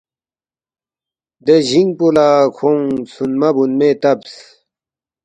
دے جِنگ پو لہ کھونگ ژھونمہ بونموے تبس